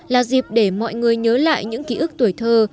là dịp để mọi người nhớ lại những ký ức tuổi thơ